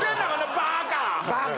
バカ！